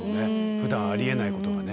ふだんありえないことがね。